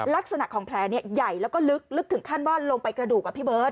ลักษณะของแผลใหญ่แล้วก็ลึกถึงขั้นว่าลงไปกระดูกพี่เบิร์ต